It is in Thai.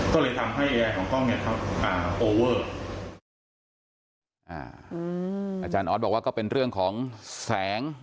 ก็เลยทำให้เอไอของกล้องเนี้ยเข้าอ่าอาจารย์ออธบอกว่าก็เป็นเรื่องของแสง